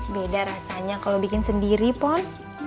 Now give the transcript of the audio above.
beda rasanya kalau bikin sendiri pon